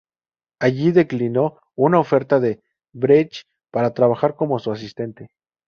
Allí declinó una oferta de Brecht para trabajar como su asistente.